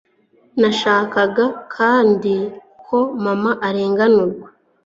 nashakaga kandi ko mama arenganurwa